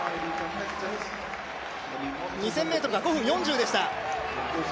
２０００ｍは５分４０でした。